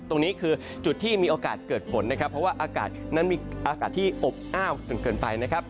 ตรงนี้คือจุดที่มีโอกาสเกิดฝนนะครับเพราะว่าอากาศนั้นมีอากาศที่อบอ้าวจนเกินไปนะครับ